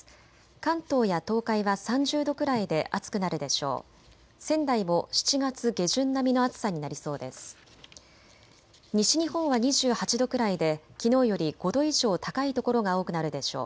関東や東海は３０度くらいで暑くなるでしょう。